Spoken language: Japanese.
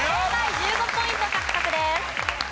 １５ポイント獲得です。